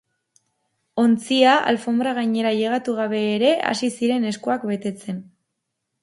Ontzia alfonbra gainera ailegatu gabe ere hasi ziren eskuak betetzen.